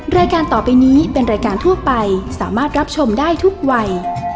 รายการต่อไปนี้เป็นรายการทั่วไปสามารถรับชมได้ทุกวัย